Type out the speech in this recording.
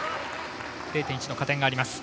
０．１の加点があります。